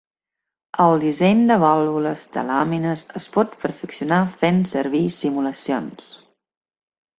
El disseny de vàlvules de làmines es pot perfeccionar fent servir simulacions.